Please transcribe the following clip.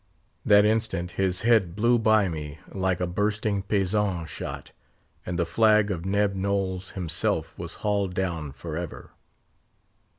That instant his head blew by me like a bursting Paixhan shot, and the flag of Neb Knowles himself was hauled down for ever.